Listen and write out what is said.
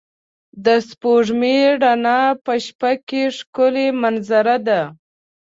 د سپوږمۍ رڼا په شپه کې ښکلی منظره ده.